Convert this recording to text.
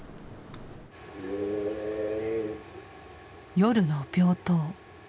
夜の病棟。